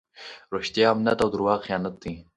رښتیا امانت او درواغ خیانت دئ.